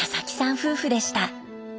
夫婦でした。